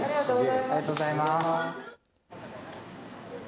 ありがとうございます。